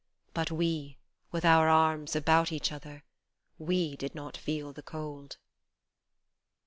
But we with our arms about each other, We did not feel the cold